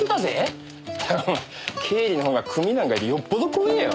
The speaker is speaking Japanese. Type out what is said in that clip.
ったくもう経理の方が組なんかよりよっぽど怖えよ。